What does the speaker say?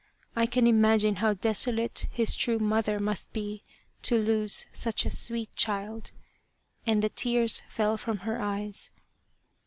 I can imagine how desolate his true mother must be to lose such a sweet child," and the tears fell from her eyes.